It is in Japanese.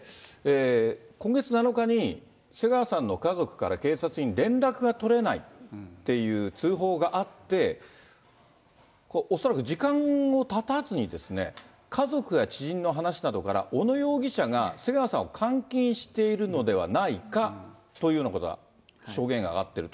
今月７日に瀬川さんの家族から警察に連絡が取れないっていう通報があって、恐らく時間もたたずに家族や知人の話などから、小野容疑者が瀬川さんを監禁しているのではないかというようなことが、証言が上がってる。